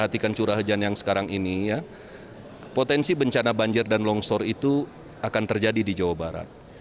dan curah hujan yang sekarang ini potensi bencana banjir dan longsor itu akan terjadi di jawa barat